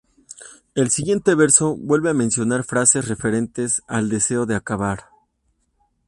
El siguiente verso vuelve a mencionar frases referentes al deseo de acabar.